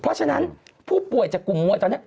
เพราะฉะนั้นผู้ป่วยจากกลุ่มมวยตอนนี้